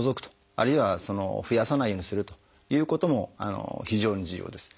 あるいは増やさないようにするということも非常に重要です。